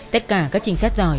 tất cả các trinh sát giỏi